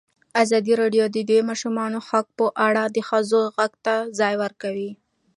ازادي راډیو د د ماشومانو حقونه په اړه د ښځو غږ ته ځای ورکړی.